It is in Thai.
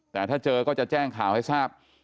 แต่ถ้าเจอก็จะแจ้งข่าวให้ทราบ